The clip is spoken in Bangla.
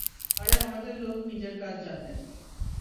আরে, আমাদের লোক নিজের কাজ জানে।